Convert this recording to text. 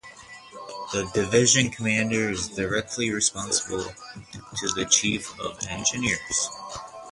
The Division Commander is directly responsible to the Chief of Engineers.